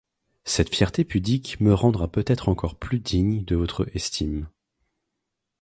Cette fierté pudique me rendra peut-être encore plus digne de votre estime...